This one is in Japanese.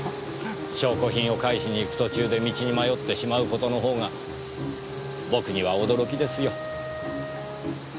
証拠品を返しに行く途中で道に迷ってしまうことの方が僕には驚きですよ。